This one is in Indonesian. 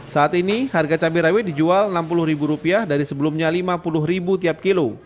saat ini harga cabai rawit dijual rp enam puluh dari sebelumnya rp lima puluh tiap kilo